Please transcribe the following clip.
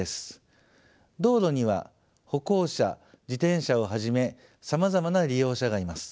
道路には歩行者自転車をはじめさまざまな利用者がいます。